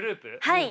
はい。